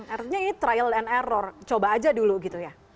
artinya ini trial and error coba aja dulu gitu ya